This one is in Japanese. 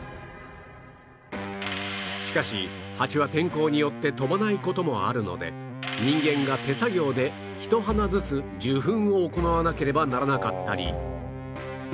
しかしハチは天候によって飛ばない事もあるので人間が手作業でひと花ずつ受粉を行わなければならなかったり